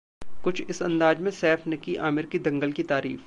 कुछ इस अंदाज में सैफ ने की आमिर की 'दंगल' की तारीफ